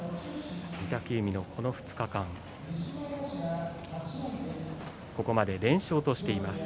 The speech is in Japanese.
御嶽海、この２日間ここまで連勝としています。